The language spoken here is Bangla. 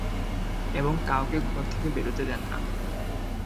এবং কাউকে ঘর থেকে বেরুতে দেন না।